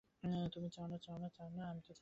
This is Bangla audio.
তুমি চাও না?